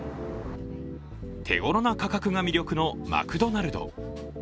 手ごろな価格が魅力のマクドナルド。